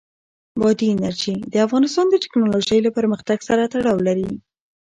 بادي انرژي د افغانستان د تکنالوژۍ له پرمختګ سره تړاو لري.